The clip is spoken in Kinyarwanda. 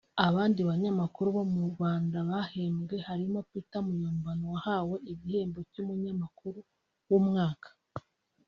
Abandi banyamakuru bo mu Rwanda bahembwe harimo Peter Muyombano wahawe igihembo cy’umunyamakuru w’umwaka